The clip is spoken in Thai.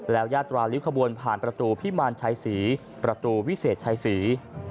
แล้วยาตราริ้วขบวนผ่านประตูพิมารชัยศรีประตูวิเศษชัยศรี